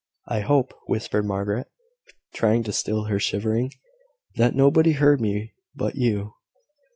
"I hope," whispered Margaret, trying to still her shivering, "that nobody heard me but you.